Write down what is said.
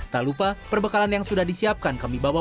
tak lupa perbekalan yang sudah disiapkan kami bawa